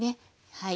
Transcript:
はい。